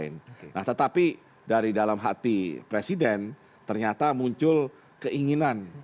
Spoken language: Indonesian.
nah tetapi dari dalam hati presiden ternyata muncul keinginan